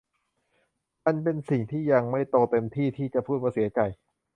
มันเป็นสิ่งที่ยังไม่โตเต็มที่ที่จะพูดว่าเสียใจ